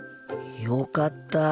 よかった。